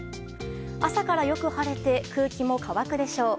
朝からよく晴れて空気も乾くでしょう。